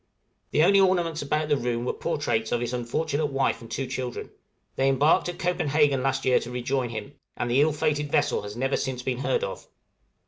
The only ornaments about the room were portraits of his unfortunate wife and two children: they embarked at Copenhagen last year to rejoin him, and the ill fated vessel has never since been heard of.